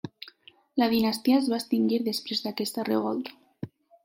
La dinastia es va extingir després d'aquesta revolta.